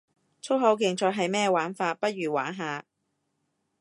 粗口競賽係咩玩法，不如玩下